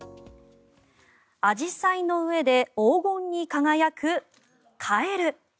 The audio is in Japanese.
アジサイの上で黄金に輝くカエル。